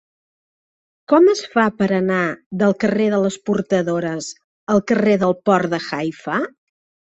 Com es fa per anar del carrer de les Portadores al carrer del Port de Haifa?